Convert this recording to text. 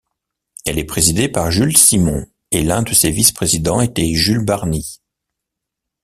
Elle est présidée par Jules Simon et l'un de ses vice-présidents était Jules Barni.